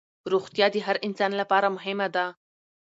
روغتیا د هر انسان لپاره مهمه ده